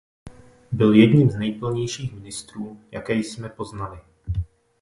Byl jedním z nejpilnějších ministrů, jaké jsme poznali.